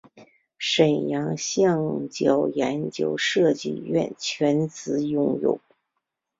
沈阳橡胶研究设计院全资拥有。